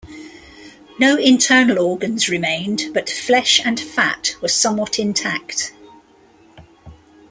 No internal organs remained, but flesh and fat were somewhat intact.